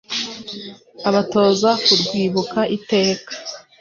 Abatoza kurwibuka iteka